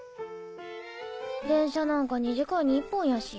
電車なんか２時間に１本やし。